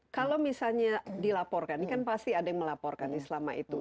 kalau misalnya dilaporkan ini kan pasti ada yang melaporkan selama itu